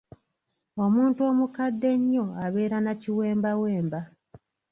Omuntu omukadde ennyo abeera na Kiwembawemba.